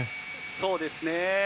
そうですね。